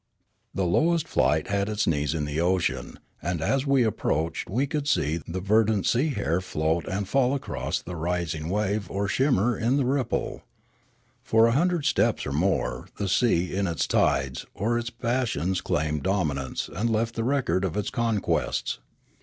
The lowest flight had its knees in the ocean, and as we approached we could see the verdant sea hair float and fall across the rising wave or shimmer in the rip ple. For a hundred steps or more the sea in its tides or its passions claimed dominance and left the record of its conquests.